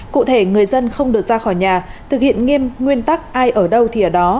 cụ thể người dân không được ra khỏi nhà thực hiện nghiêm nguyên tắc ai ở đâu thì ở đó